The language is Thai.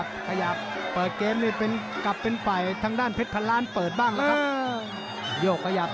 ขยับเปิดเกมนี่กลับเป็นฝ่ายทางด้านเพชรพันล้านเปิดบ้างแล้วครับ